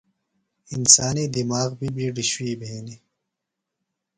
انسانی دِماغ بیۡ شُوئی بھینیۡ۔